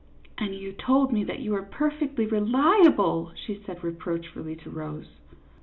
" And you told me that you were perfectly reli able !" she said, reproachfully, to Rose.